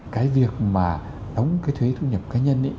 cái việc mà đóng cái thuế thu nhập cá nhân ấy